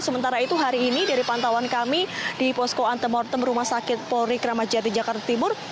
sementara itu hari ini dari pantauan kami di posko antemortem rumah sakit polri kramat jati jakarta timur